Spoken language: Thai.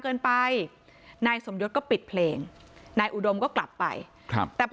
เกินไปนายสมยศก็ปิดเพลงนายอุดมก็กลับไปครับแต่พอ